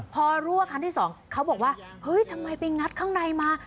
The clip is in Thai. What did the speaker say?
พอรั่วครั้งที่สองเขาบอกว่าเฮ้ยทำไมไปงัดข้างในมา